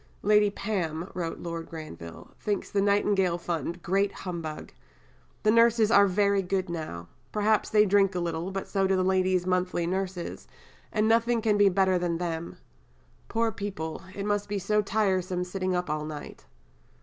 "Lady Pam," wrote Lord Granville, "thinks the Nightingale Fund great humbug. 'The nurses are very good now; perhaps they do drink a little, but so do the ladies' monthly nurses, and nothing can be better than them; poor people, it must be so tiresome sitting up all night.'"